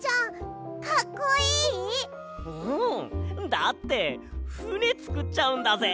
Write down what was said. だってふねつくっちゃうんだぜ！